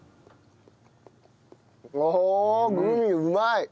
おおグミうまい！